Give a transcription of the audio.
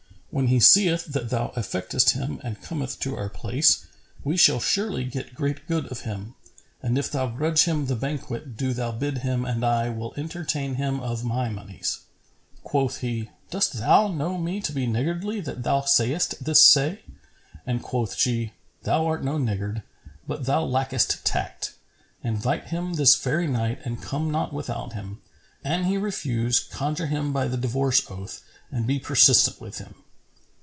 When he seeth that thou affectest him and cometh to our place, we shall surely get great good of him; and if thou grudge him the banquet do thou bid him and I will entertain him of my monies." Quoth he, "Dost thou know me to be niggardly, that thou sayest this Say?; and quoth she, "Thou art no niggard, but thou lackest tact. Invite him this very night and come not without him. An he refuse, conjure him by the divorce oath and be persistent with him."